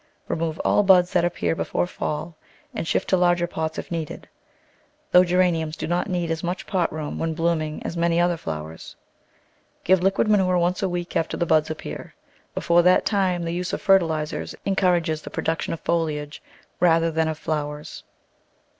Remove all buds that ap pear before fall and shift to larger pots if needed, though Geraniums do not need as much pot room when blooming as many other flowers. Give liquid manure once a week after the buds appear — before that time the use of fertilisers encourages the produc tion of foliage rather than of flowers.